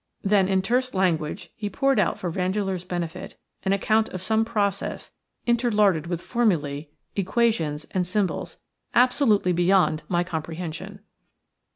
Then in terse language he poured out for Vandeleur's benefit an account of some process, interlarded with formulæ, equations, and symbols, absolutely beyond my comprehension.